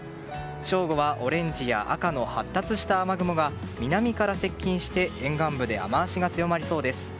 正午はオレンジや赤の発達した雨雲が南から接近して沿岸部で雨脚が強まりそうです。